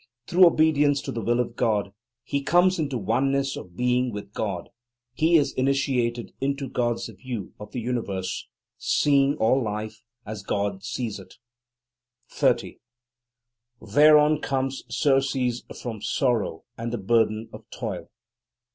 Through obedience to the will of God, he comes into oneness of being with God; he is initiated into God's view of the universe, seeing all life as God sees it. 30. Thereon comes surcease from sorrow and the burden of toil.